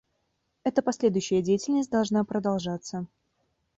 Эта последующая деятельность должна продолжаться.